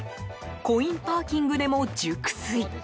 コインパーキングでも熟睡。